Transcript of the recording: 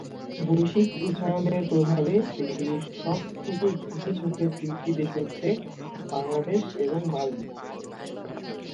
পরে তিনি "commission for the history of woman" প্রতিষ্ঠার কাজ শুরু করেন।